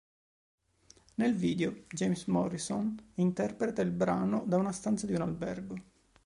Nel video James Morrison interpreta il brano da una stanza di un albergo.